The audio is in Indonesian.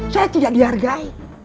saya tidak dihargai